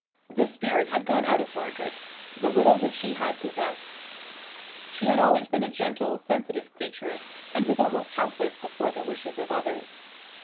The spirit had gone out of Margaret, the little which she had possessed. She had always been a gentle, sensitive creature, and was almost helpless before the wishes of others.